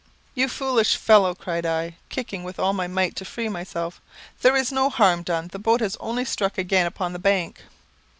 "You foolish fellow," cried I, kicking with all my might to free myself. "There is no harm done; the boat has only struck again upon the bank."